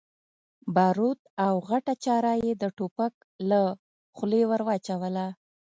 باروت او غټه چره يې د ټوپک له خولې ور واچوله.